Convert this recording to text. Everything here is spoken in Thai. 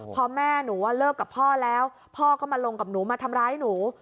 พอแม่หนูว่าเลิกกับพ่อแล้วพ่อก็มาลงกับหนูมาทำร้ายหนู